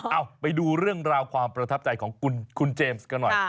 เอาไปดูเรื่องราวความประทับใจของคุณเจมส์กันหน่อย